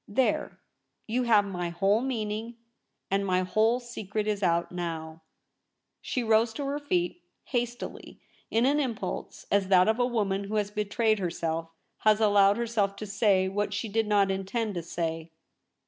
There, you have my whole meaning, and my whole secret is out now.' She rose to her feet — hastily, in an impulse, as that of a woman who has betrayed herself — has allowed herself to say what she did not intend to say.